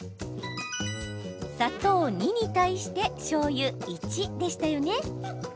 砂糖２に対してしょうゆ１でしたよね。